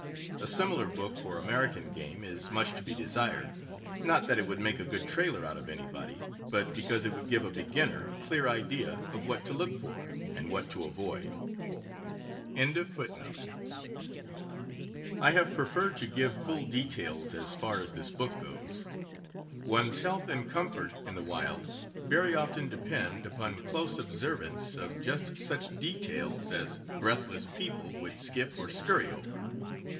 A similar book for American game is much to be desired; not that it would make a good trailer out of anybody, but because it would give a beginner a clear idea of what to look for c\id what to avoid. FOREWORD xiii I have preferred to give full details, as far as this book goes. One's health and comfort in the wilds very often depend upon close observance of just such details as breathless people would skip or scurry over.